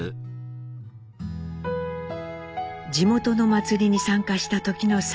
地元の祭りに参加した時の三郎。